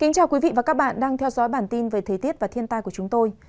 cảm ơn các bạn đã theo dõi và ủng hộ cho bản tin thế tiết và thiên tai của chúng tôi